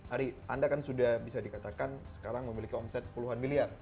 ari anda kan sudah bisa dikatakan sekarang memiliki omset puluhan miliar